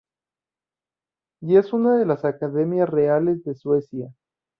Y es una de las Academias Reales de Suecia.